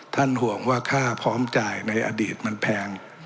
ห่วงว่าค่าพร้อมจ่ายในอดีตมันแพง